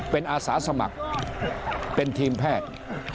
เป็นอาสาสมัครเป็นทีมแพทย์